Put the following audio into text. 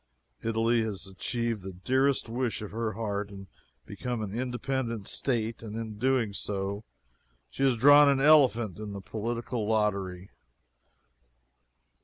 Italy has achieved the dearest wish of her heart and become an independent State and in so doing she has drawn an elephant in the political lottery.